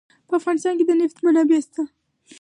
په افغانستان کې د نفت منابع شته.